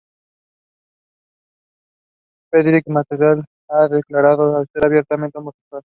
Frederic Martel se ha declarado abiertamente homosexual.